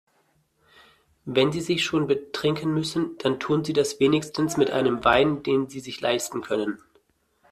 Wenn Sie sich schon betrinken müssen, dann tun Sie das wenigstens mit einem Wein, den Sie sich leisten können.